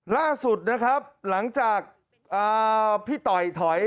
ล่าสุดนะครับหลังจากพี่ต่อยถอย